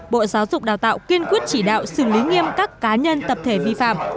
bộ giáo dục đào tạo kiên quyết chỉ đạo xử lý nghiêm các cá nhân tập thể vi phạm